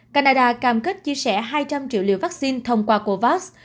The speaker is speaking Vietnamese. canada cam kết chia sẻ hai trăm linh triệu liều vaccine thông qua covax